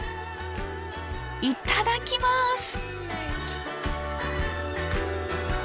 いただきます！